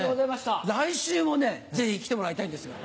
来週もねぜひ来てもらいたいんですが。